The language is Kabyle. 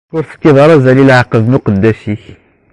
Ur tefkiḍ ara azal i leɛqed n uqeddac-ik.